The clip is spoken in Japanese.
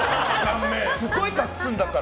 すごい隠すんだから。